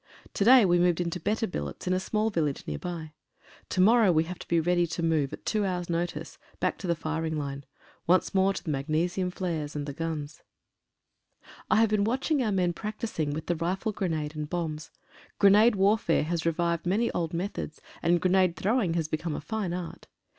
To day we moved into better billets in a small village near by. To morrow we have to be ready to move at two hours' notice, back to the firing line — once more to the magnesium flares and the guns. 89 OH, FOR A QUEENSLAND DAY! I have been watching our men practising with the rifle grenade and bombs. Grenade warfare has revived many old methods, and grenade throwing has become a fine art.